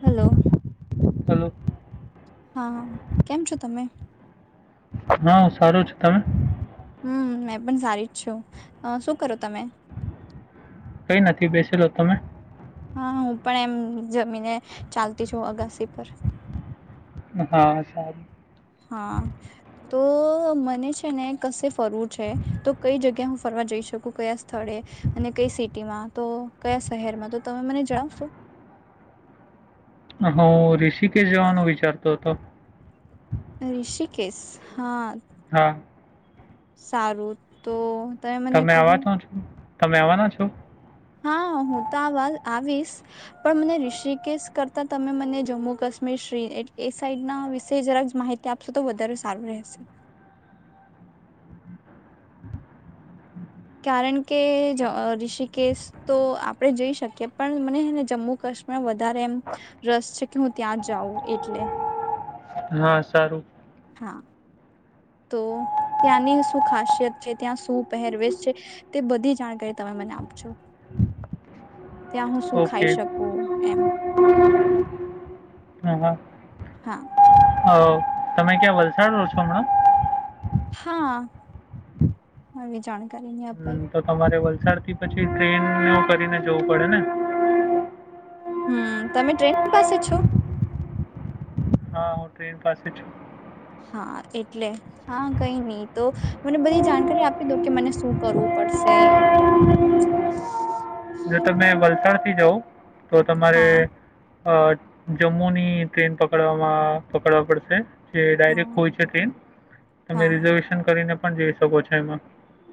Hello ચલું હા કેમ છો તમે હા સારું છે તમે હમ મે પણ સારી જ છું શું કરો તમે કઈ નથી બેસેલો તમે હા હું પણ એમ જમીને ચાલતી છું અગાસી પર હા સારું હા તો મને છે ને કશે ફરવું છે તો કઈ જગ્યા હું ફરવા જઈ શકું કયા સ્થળે અને કઈ સિટીમાં તો કયા શહેરમાં તો તમે મને જણાવશો હું ઋષિકેશ જવાનું વિચારતો હતો ત ઋષિકેશ હા હા સારું તો મને તમે કહો અવાના છો તમે આવવાના છો હા હું તો આ વા આવીશ પણ મને ઋષિકેશ કરતા તમે મને જમ્મુ કાશ્મીર શ્રી એ સાઈડના વિશે જરાક માહિતી આપશો તો વધારે સારું રહેશે કારણ કે ઋષિકેશ તો આપણે જઈ શકીએ પણ મનેને જમ્મુ કાશ્મીર વધારે એમ રસ છે કે હું ત્યાં જાઉં એટલે હા સારું હા તો ત્યાંની શું ખાસિયત છે ત્યાં શું પહેરવેશ છે તે બધી જાણકારી તમે મને આપજો ત્યાં હું શું ખાઈ શકું એમ હા હા હા અ તમે ક્યાં વલસાડ રહો છો હમણા હા આવી જાણકારી ની આપ હમ, તો તમારે વલ સાડથી પછી ટ્રેન કરીને જવું પડે ને હમ તમે ટ્રેન પાસે છો હા હું ટ્રેન પાસે છું હા એટલે હા કઈ નહ તો મને બધી જાણકારી આપી દઉ કે મને શું કરવું પડશે જો તમે વલસાડ થી જઓ તો તમારે હા અ જમ્મુ ની ટ્રેન પકડવામાં પકડવા પડશે જે ડાયરેક્ટ હા હોય છે ટ્રેન તમે હા રિઝર્વેશન કરીને પણ જઈ શકો છો એમાં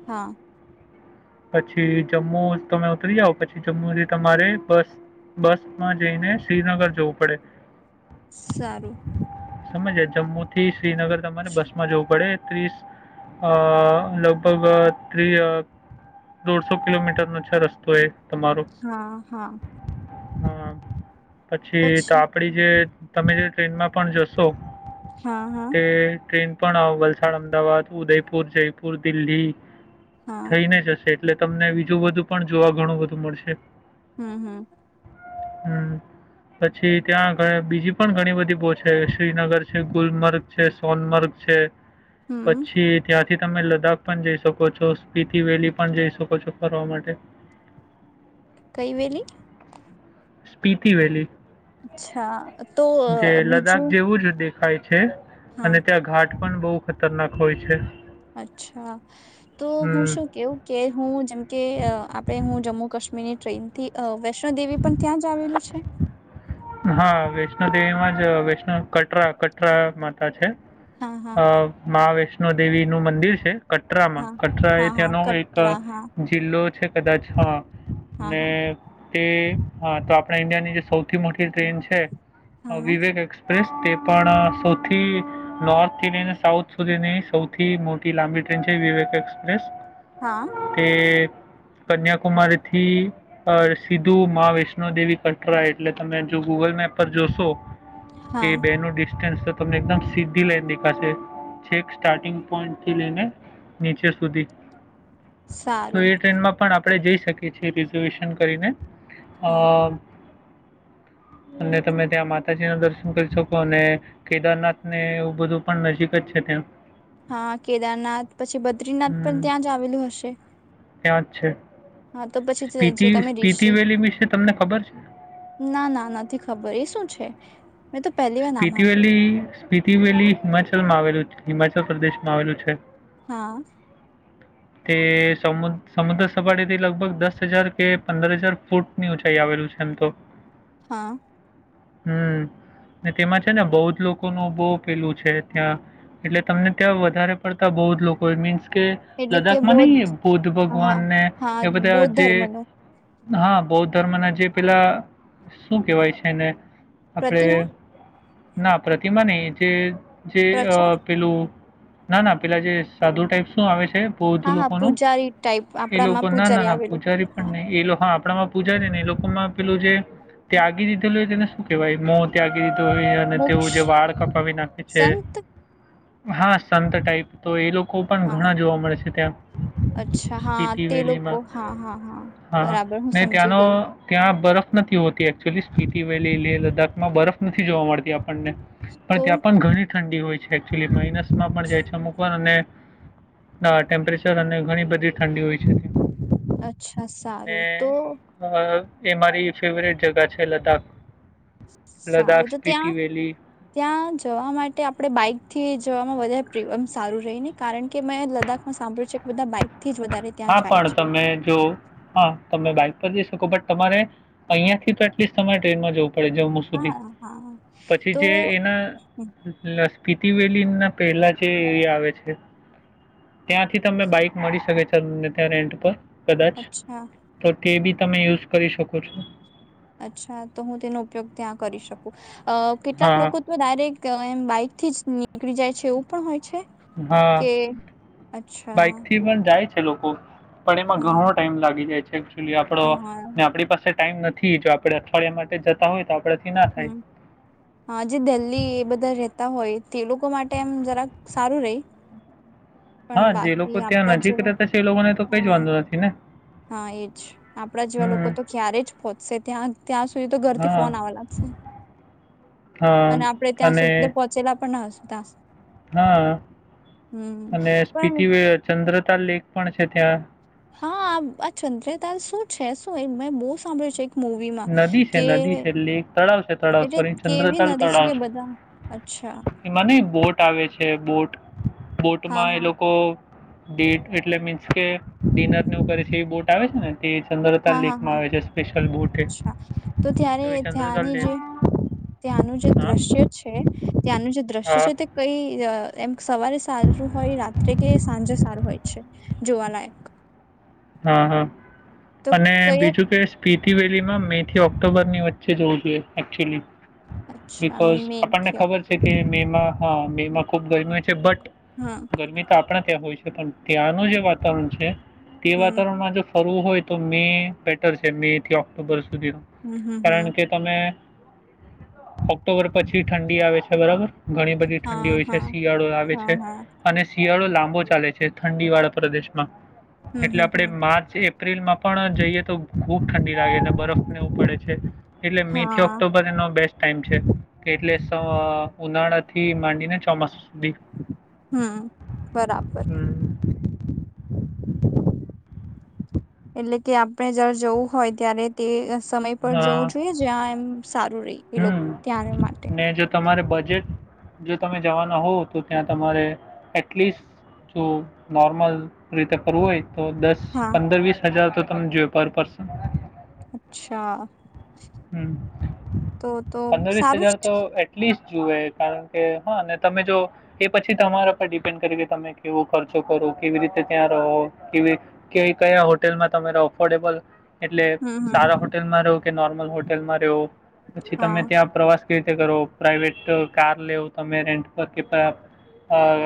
હા પછી જમ્મુ તમે ઉતરી જાઓ પછી જમ્મુથી તમારે બસ બસમાં જઈને શ્રીનગર જવું પડે સારું સમજ જમ્મુ થી શ્રીનગર તમારેને બસ માં જોવું પડે ત્રીસ લગભગ ત્રી દોઢસો કિલોમીટરનો છે રસ્તો એ હા હા હા પછી તો આપડી જે તમે જે ટ્રેનમાં પણ જશો હા હા તે ટ્રેન પણ અ વલસાડ અમદાવાદ ઉદયપુર જયપુર દિલ્હી હા થઈને જશે એટલે તમને બીજું બધું પણ જોવા ઘણું બધું [unintelligible] મળશે હમ્મ હમ્મ હમ્મ પછી ત્યાં બીજી પણ ઘણી બધી પહ છેે શ્રીનગર છે ગુલમર્ગ છે સોનમર્ગ છે હમ પછી ત્યાં થી તમે લદ્દાખ પણ જઈ શકો છો સ્પીતિ વેલી પણ જઈ શકો છો ફરવા માટે. કઈ વેલી? સ્પીતિ વેલી. અચ્છા તો જે લદ્દાખ બીજું [unintelligible] છે હા અને ત્યાં ઘાટ પણ બહુ ખતરનાક હોય છે. અચ્છા તો હું હમ શું કેવું કે હું જેમકે આપણેે હું જમ્મુ કાશ્મીર મિની ટ્રેન થી વૈષ્ણો દેવી પણ ત્યાં જ આવેલું છે? હા વૈષ્ણો દેવી માં જ વૈષ્ણો કટરા કટરા માતા છે. હા હા મહાવૈષ્ણ ણો દેવીનું મંદિર છે. કટરામાં હા કટરા એ હા હા ત્યાંનો એક કટરા હા જિલ્લો છે. કદાચ હ. હા અને હા તે હા તો આપણા ઇન્ડિયાની જે સૌથી મોટી ટ્રેન છે હા વિવેક એક્સપ્રેસ તે પણ સૌથી નોર્થથી ને સાઉથ સુધીની સૌથી મોટી લાંબી ટ્રેન છે વિવેક એક્સપ્રેસ હા તે કન્યાકુમારી થી સીધું માં વૈષ્ણોદેવી કટરા એટલે તમે જો ગૂગલ મેપ પર જોશો કે હા બે નો ડિ [unintelligible] એકદમ સીધી લાઈન દેખાશે ચેક સ્ટારિંગ પોન્ટથી લઈને નીચે સુધી. સારું. આપડે જઈ શકીએ છીએ રિઝર્વેશન કરીને અ હા અને તમે ત્યાં માતાજી નો દર્શન કરી શકો અને કેદારનાથને એવું બધું પણ નજીક જ છે ત્યાં હા કેદારનાથ પછી બદ્રીનાથ પણ હમ, ત્યાં જ આવેલું હશે? ત્યાં જ છે. હા તો પછી જે સ્પીટી તમે સ્પીટી ઋષિ વેલી વિશે તમને ખબર છે? ના ના નથી ખબર એ શું છે? મેં તો પહેલી વાર નામ સાંભળ્યું સ્પિતિવેલી સ્પતિવેલી હિમાચલ માં આવેલું છે. હિમાચલ પ્રદેશ માં આવેલું છે. હા તે સમ સમુદ્ર સપાટીથી લગભગ દસ હજાર કે પંદર હજાર ફૂટ ની ઉઊંચાઈ આવેલું છે એમ તો હા હમ તેમાં છે ને બૌદ્ર જ લોકો ન બહુ પેલું છે ત્યાં એટલે તમને ત્યાં વધારે પડતા બૌુ જ લોકો મીન્સ કે એટલે કે લદ્દાખ માં નહી બૌદ્ધ હા ભગવાન ને હા એ બધા બૌદ્ધ જે ધર્મ ન હા બૌદ્ધ ધર્મ ના જે પેલા શું કેહેવાય છે ને આપડે પ્રતિમા ના પ્રતિમા નહી જે જે અ પ્રચાર પેલું ના ના પેલા જે સાધુ ટાઈપ શું આવે છે. બૌદ્ધ હા હા લોકોનો પૂજારી ટાઈપ એ આપણામાં લોકો ના પૂજારી નાના આવેલો પૂજારી પણ હા નય એ લોકો આપણામાં પૂજા છે ને એ લોકોમાં પેલું જે ત્યાગી દીધેલું તેને શું કેહેવાય મો ત્યા અને મોક્ષ તેવું જે વાળ કપાવી નાખે છે. સંત હા સંત ટાઈપ તો એ લો કો પણ હા ઘણા જોવા મળે છે ત્યાં અચ્છા હા સપિટી તે લોકો વેલીમાં હા હા હા બરાબર હું સમજી ત્યાંનો ગઈ ત્યાં બરફ નથી હોતી એચુલી સ સ્પીટીવેલીલી લે લદાખમાં બરફ નથી જોવા મળતી પને પણ તો ત્યાં પણ ઘણી ઠંડી હોય છે. માઇનસ માં પણ જાય છે અમુક અને નાા ટેમ્પરેચર અને ઘણી બધી ઠંડી હોય છે ત્યાં અચ્છા સારું તો ને અ એ મારી ફેવરટ જગા છે લદ્દાખ સારું લદ્દાખ, તો સ્પીતિ ત્યાં વેલી ત્યાં જવા માટે આપડે બાઈક થી જવામાં વધારે ફરી સારું રહી ને કારણ કે મેં લદ્દખ સાંભળ્યું છે કે બધા બાઈક હા પણ તમે જો હા તમે બાઇક પર જઈ શકો બટ તમારે અહિયાંથી તો એટલીસ્ટ તમે ટ્રેનમાં જવુ પડે જમમુ સુધી હા હા પછી તો જે એના પીતીવેલી ના પહેલા જે એરિયા આવે છે ત્યાંથી તમને બાઈક મળી શકે તમને ત્યાં રેન્ટ પર કદાચ અચ્છા તે બી તમે યુઝ કરી શકો છો અચ્છા તો હું તેનો ઉપયોગ ત્યાં કરી શકું. અ કેટલાક હા, લોકો તો ડાયરેક્ટ કે એમ બાઈક થી જ નીકળી જાય છે એવું પણ હોય. છે? હા કે અચ્છા બાઈક થી તો પણ જાય છે લોકો. પણ એમાં હા ઘણો ટાઈમ લાગી જાય છે એકચુલી આપણો હા ને આપણી પાસે ટાઈમ નથી જો આપણે અઠવાડિયા માટે જતા હોય તો આપણે હમ હ જે દિલ્લ્હી એ બધા રેતા હોય તે લોકો માટે એમ જરાક સારું રહી. પણ હા જે લોકો બાકી ત્યાં આપણા નજીક જેવા રહેતા છે. એ લોકો ને તો કઈ જ હા વાંધો નથી ને! હા એજ આપણા જેવા લોકો હમ. તો ક્યારે જ પહોંચશે ત્યાં ત્યાં સુધી તો ઘરથી હા, ફોન આવવા લાગશે હા અને આપડે ત્યાં સુધી અને તો પહોંચેલા પણ સુું ત હા અને પણ સ્ીતિ ચંદ્ર લેક પણ છે ત્યાં હા આ આ ચંદ્રતાલ શું છે શું મેં બહુ સાંભળ્યું છે. મુવીમાં નદી છે કે નદી છે એટલે એક તળાવ છે. તળાવ એટલે સોરી કેવી ચંદ્રતાલ નદી તળાવ કે છે બધા અચ્છા એમાંને બોટ આવે છે બોટ હા બોટમાં એ હા લોકો ડેટ એટલે મીન્સ કે ડિનર નેવુ કર છે એવી બોટ આવે છે ને એ ચંદ્રતા હા હા લેકમાં હા આવે છે સ્પેશિયલ બોટ અચ્છા તો ત્યારે એ ચંદ્રતાલ ત્યાંની લેક જે ત્યાંનું જે હા દ્રશ્ય છે ત્યાંનું જે દ્રશ્ય હા છે તે કઈ અ અ એમ સવારે સારું હોય રાત્રે કે સાંજે સારું હોય છે જોવાલાયક હા હા તો અને કયા બીજું કે પીતી વેલીમાં મે થી ઓક્ટોબર ની વચ્ચે જવું જોઈએ એકચુલી બિકોઝ આપણને ખબર છે કે મેમાં હા મેમાં ખુબ ગરમી હોય છે બટ ગરમી તો આ આપણા ત્યાં હોય છે પણ ત્યાંનું જે વાતાવરણ છે. તે વાતાવરણમાં જો કરવું હોય તો મે બેટર છે મે થી ઓક્ટોબર સુધીનો કારણ કે તમે ઓક્ટોબર પછી ઠંડી આવે છે બરાબર ઘણી બધી ઠંડી હોય છે શિયાળો આવે છે હા અને શિયાળો લાંબો ચાલે છે ઠંડી વાળા પ્રદેશમાં હમ એટલે હમ હમ આપણે માર્ચ એ એપ્રિલમાં પણ જઈએ તો ખૂબ ઠંડી લાગે અને બરફને એવું પડે છે. એટલે મેથી હા ઓક્ટોબર એનો બેસ્ટ ટાઈમ છે એટલે સ ઉનાળા થી માંડીને ચોમાસું બી હમ બરાબર હમ [inaudible] [inaudible] એટલે કે આપણે જારે જવું હોય ત્યારે તે સમય પર જવું હા જોઈએ જ્યાં એમ સારું રેય એ લોક હમ ત્યા માટે ને જો તમારે બજેટ જો તમે જવાના હો તો ત્યાં તમારે એટલીસ્ટ જો નોર્મલ રીતે ફરવું હોય તો દસ હા પંદર વીસ હજાર તો સમ જો પર પરસન અચ્છા હુ તો તો પંદર વીસ સારું હજાર જ તો એટલીસ્ટ જુએ કારણ કે હા તમે જો એ પછી તમારા પર ડિપેન્ડ કરી કે તમે કેવો ખર્ચો કરો કેવી રીતે ત્યાં રહો કેવી કેવી કયા હોટેલમાં તમે રહો અફોર્ડેબલ એટલે હમ સારા હમ હોટેલમાં રો નોમલ હુ હોટેલમાં રહ્યો પછી તમે હા ત્યાં પ્રવાસ કર તે કરો પ્રાઇવેટ કાર લેઓ તમે રેન્ટ પર કે પરા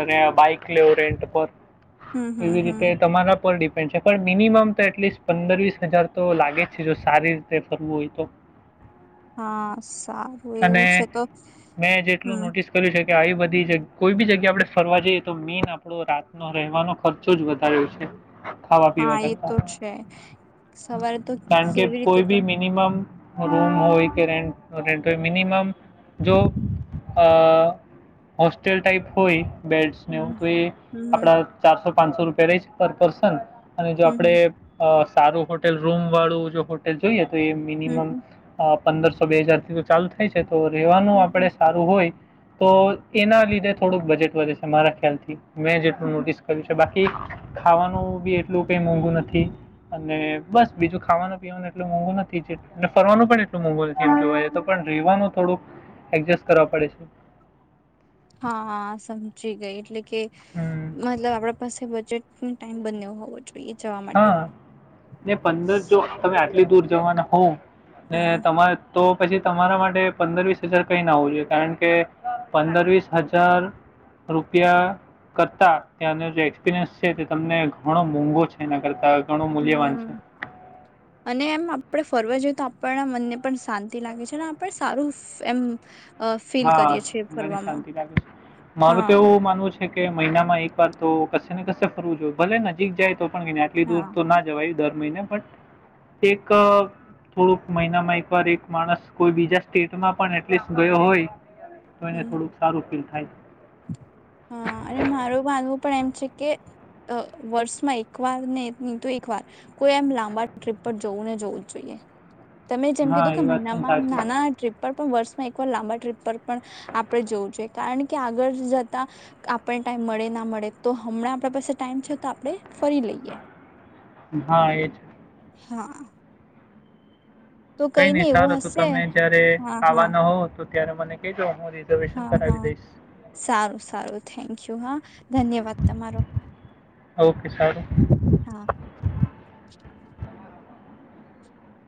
અને બાઈક લેઓ રેન્ટ પર હમ હમ એવી હમ રીતે તમારા પર ડી પે છે પણ મિનિમમ તો એટલીસ્ટ પંદર વીસ હજાર તો લાગે જ છે જો સારી રીતે ફરવું હોય તો હા સારું અને એવું છે તો મેં જેટલું હમ નોટિસ કર્યું છે કે આવી બધી જ કોઈ બી જગ્યા આપડણે ફરવા જઈએ તો મેન આપણો રાતનો રહેવાનો ખર્ચો જ વધારે્યો છે ખાવા પીવા હા એ કરતા તો છે સવારે તો કારણ કે કેવી રીતે કોઈ બી પણ મિનિમમ રૂમ હોય કે રેન્ટ રેન્ટ મિનિમમ જો આ હોસ્ટેલ ટાઈપ હોયે બેડસ ને પણ તો એ હમ હમ આપડા ચારસો પાંચસો રૂપિયા રહી છે પર પર્સન અને જો હમ હમ હમ આપડે અ સારું હોટેલ રૂમ વાળું જો હોટેલ જોઈએ તો એ મિનિમમ હમ પંદરસો બે હજાર થી તો ચાલુ થાય છે તો રેવાનું આપડે હમ સારું હોય તો એના લીધે થોડુંક બજેટ વધે અમારા ખ્યાલથી મેં જેટલું હમ નોટિસ કર્યું છે બા કે ખાવાનું બી એટલું કઈ મોંઘું નથી અને બસ બીજું ખાવાનું પીવાનું એટલું મોંઘું નથી જે અને ફરવાનું પણ એટલું મોઘોલ એમ જોવા જ તો પણ રેવાનું થોડુંક એડજસ્ટ કરવા પડે છે. હા, સમજી ગઈ એટલે કે કે હમ્મ. મતલબ આપણા પાસે બજેટ ટાઈમ બને્યો હોવો જો હા, ને પંદર જો તમે આ ટ દૂર જવાના હું ને હા તમારે તો પછી તમારા માટે પંદર, વીસ હજાર કંઈ ના હોવું જોઈએ કારણ કે પંદર, વીસ હજાર રૂપિયા કરતાં ત્યાંનો જે એક્સપિરિયન્સ છે, તે તમને ઘણો મોંઘો છે. એ કરતા ઘણું મૂલ્યવાન છે. હમ અને એમ આપણે ફરવા જઈએ તો આપણના મનને પણ શાંતિ લાગે છે, અને આપ સારું એમ અ ફીલ હા, કરીએ છીએ નાની ફરવામાં શાંતિ લાગે છે મારું તો હા એવું માનવું છે. કે મહિના માં એક વાર તો કશે ને કશે ફરવું જોઈએ ભલે નજીક જાય તો આટલી દૂર હા તો હા ના જવાય દર મહિને પણ એક થોડુંક મહિનામાં એકવાર એક માણસ કોઈ બીજા સ્ટેટમાં પણ એટલીસ્ટ ગયો હોય. તો એને થોડુંક સારું ફિલ થાય. હ અને મારું માનવું પણ એમ છે, કે વર્ષમાં એક વાર ને નહી તો એક વાર કોઈ એમ લાંબા ટ્રીપ પર જવું ને જોવું જોઈએ. તમે જેમ હા કીધું કે એ વાત પણ મહિનામાં સાચી નાના છે ટ્રીપ પર પણ વર્ષમાં એકવાર લાંબા ટ્રીપ પર પણ આપણે જવું જોઈએ કારણ કે આગળ જતા આપણ ટાઈમ મળે ના મળે તો હમણાં આપણા પાસે ટાઈમ છે તો આપણે ફરી લઈએ. હા, એ છે. હા. તો કઈ નઈ એવું સારું તો હશે તમે જયારે હા હા આવાના હોવ તો ત્યારે મને કજો. હા, હા સારું સારું થેન્કયુ. હા ધન્યવાદ તમારો. ઓકે! સારુ. હા.